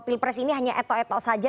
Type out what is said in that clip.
pilpres ini hanya etok etok saja